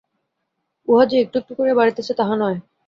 উহা যে একটু একটু করিয়া বাড়িতেছে, তাহা নয়।